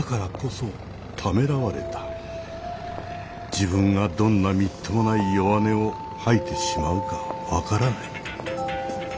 自分がどんなみっともない弱音を吐いてしまうか分からない。